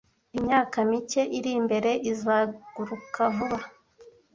Imyaka mike iri imbere izaguruka vuba,